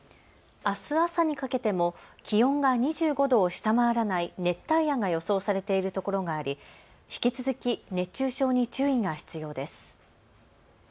あす朝にかけても気温が２５度を下回らない熱帯夜が予想されているところがあり引き続き熱中症に注意が必要です。